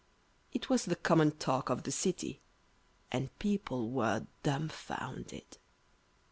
It was the common talk of the city, and people were dumbfounded.